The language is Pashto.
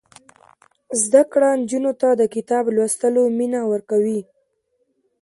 زده کړه نجونو ته د کتاب لوستلو مینه ورکوي.